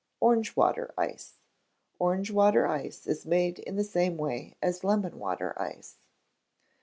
Orange Water Ice. Orange Water Ice is made in the same way as Lemon water ice.